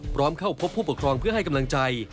พร้อมเข้าพบผู้ปกครองเพื่อให้กำลังใจ